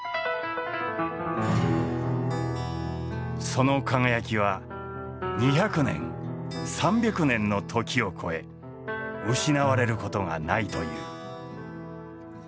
その輝きは２００年３００年の時を超え失われることがないという。